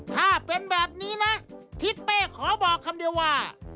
ถ้าเป็นแบบนี้นะทิศเป้ขอบอกคำเดียวว่า